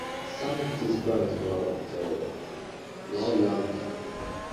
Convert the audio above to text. Some of these vans were of the Brougham type.